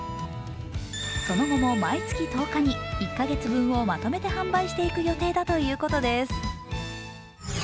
その後も毎月１０日に１カ月分をまとめて販売していく予定だということです。